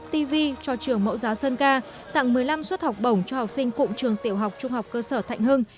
ti vi cho trường mẫu giáo sơn ca tặng một mươi năm suất học bổng cho học sinh cụm trường tiểu học trung học cơ sở thạnh hưng